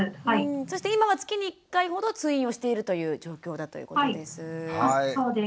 そして今は月に１回ほど通院をしているという状況だということです。